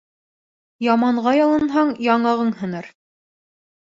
Яманға ялынһаң, яңағын һыныр.